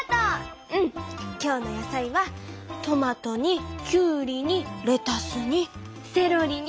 今日の野菜はトマトにきゅうりにレタスにセロリに。